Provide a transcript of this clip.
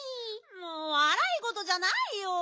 もうわらいごとじゃないよ！